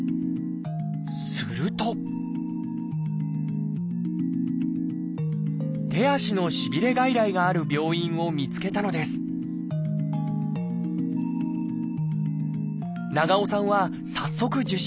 すると手足のしびれ外来がある病院を見つけたのです長尾さんは早速受診。